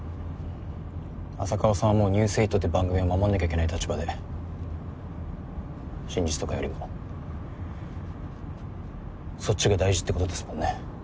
浅川さんはもう「ニュース８」って番組を守んなきゃいけない立場で真実とかよりもそっちが大事ってことですもんね。